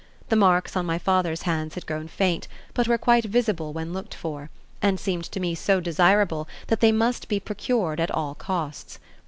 The marks on my father's hands had grown faint, but were quite visible when looked for, and seemed to me so desirable that they must be procured at all costs.